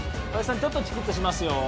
ちょっとチクッとしますよ